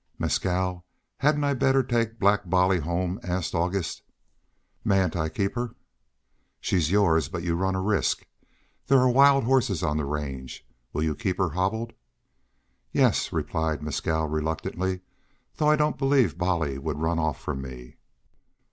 "Mescal, hadn't I better take Black Bolly home?" asked August. "Mayn't I keep her?" "She's yours. But you run a risk. There are wild horses on the range. Will you keep her hobbled?" "Yes," replied Mescal, reluctantly. "Though I don't believe Bolly would run off from me."